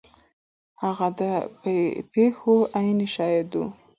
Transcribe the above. هغه د پیښو عیني شاهد و.